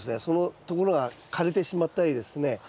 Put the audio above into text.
そのところが枯れてしまったりですね